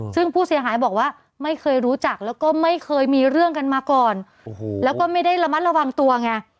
ซึ่งผู้เสียหายบอกว่าไม่เคยรู้จักแล้วก็ไม่เคยมีเรื่องกันมาก่อนแล้วก็ไม่ได้ระมัดระวังตัวไง